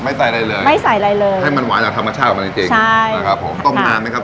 ใส่อะไรเลยไม่ใส่อะไรเลยให้มันหวานจากธรรมชาติของมันจริงจริงใช่นะครับผมต้มนานไหมครับ